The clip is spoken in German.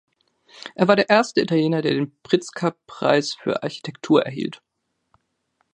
Er war der erste Italiener, der den Pritzker-Preis für Architektur erhielt.